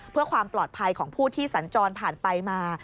เพื่อความปลอดภัยของผู้ที่สัญจรผ่านไปมา